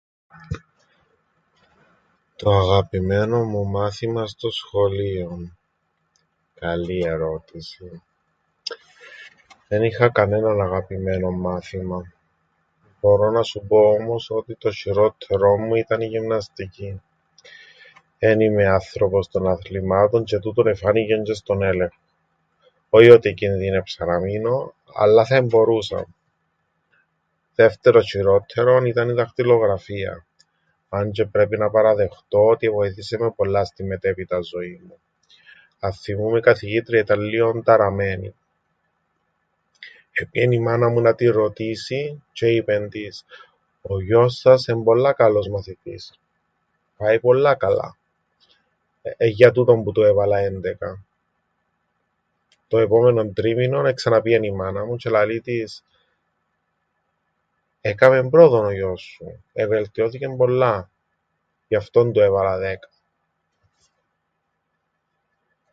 Το αγαπημένον μου μάθημαν στο σχολείον... καλή ερώτηση. Εν είχα κανέναν αγαπημένον μάθημαν. Μπορώ να σου πω όμως ότι το σ̆ειρόττερον μου ήταν η γυμναστική. Εν είμαι άνθρωπος των αθλημάτων τζ̆αι τούτον εφάνηκεν τζ̆αι στον έλεγχον... όι ότι εκινδύνεψα να μείνω, αλλά θα εμπορούσα. Δεύτερον σ̆ειρόττερον ήταν η δακτυλογραφία. Αν τζ̆αι πρέπει να παραδεχτώ ότι εβοήθησεν με πολλά στην μετέπειτα ζωήν μου. Αθθυμούμαι η καθηγήτρια ήταν λλίον ταραμένη. Επήεν η μάνα μου να την ρωτήσει τζ̆αι είπεν της: Ο γιος σας εν' πολλά καλός μαθητής. Πάει πολλά καλά. Εν' για τούτον που του έβαλα έντεκα. Το επόμενον τρίμηνον εξαναπήεν η μάνα μου τζ̆αι λαλεί της: Έκαμεν πρόοδον ο γιος σου. Εβελτιώθηκεν πολλά. Γι' αυτόν του έβαλα δέκα.